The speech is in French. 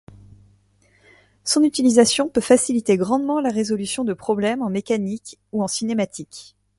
Son utilisation peut faciliter grandement la résolution de problèmes en mécanique ou en cinématique.